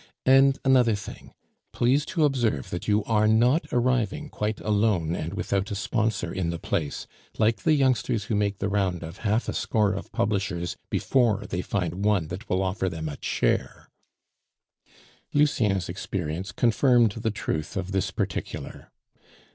And another thing: please to observe that you are not arriving quite alone and without a sponsor in the place, like the youngsters who make the round of half a score of publishers before they find one that will offer them a chair." Lucien's experience confirmed the truth of this particular.